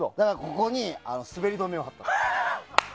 ここに滑り止めを貼ったの。